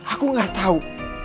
aku gak tau